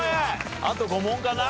あと５問かな？